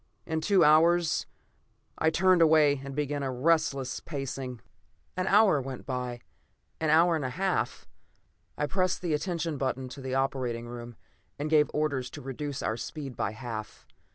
In two hours ... I turned away and began a restless pacing. An hour went by; an hour and a half. I pressed the attention button to the operating room, and gave orders to reduce our speed by half.